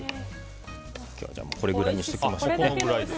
今日はこれぐらいにしておきましょう。